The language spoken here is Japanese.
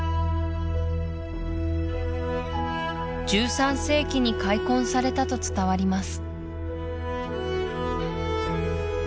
１３世紀に開墾されたと伝わります